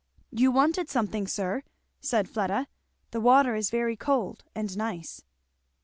"You wanted something, sir," said Fleda. "The water is very cold and nice."